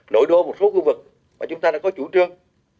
nội đô một số khu vực mà chúng ta đã có chủ trương